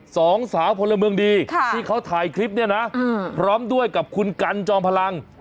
สองสาวพลเมืองดีที่เขาถ่ายคลิปเนี่ยนะพร้อมด้วยกับคุณกันจอมพลัง